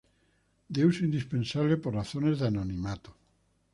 de uso indispensable por razones de anonimato